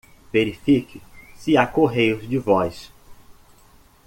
Verifique se há correios de voz.